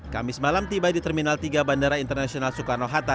kamis malam tiba di terminal tiga bandara internasional soekarno hatta